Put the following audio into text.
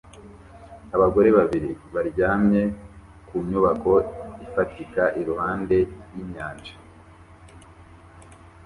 Abagore babiri baryamye ku nyubako ifatika iruhande y'inyanja